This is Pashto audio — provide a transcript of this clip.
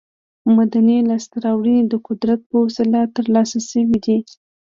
مدني لاسته راوړنې د قدرت په وسیله تر لاسه شوې دي.